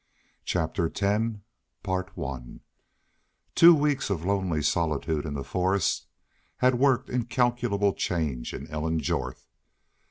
CHAPTER X Two weeks of lonely solitude in the forest had worked incalculable change in Ellen Jorth.